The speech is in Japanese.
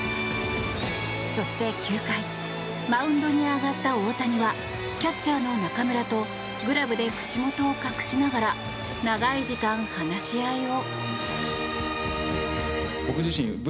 そして９回、マウンドに上がった大谷はキャッチャーの中村とグラブで口元を隠しながら長い時間、話し合いを。